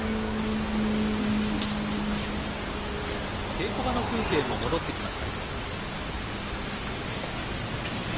稽古場の風景も戻ってきました。